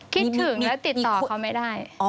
คิดถึงแล้วติดต่อเขาไม่ได้